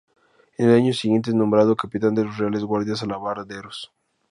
En el año siguiente es nombrado Capitán de los Reales Guardias Alabarderos.